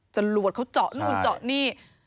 จรวดเขาเจาะนู่นเจาะนี่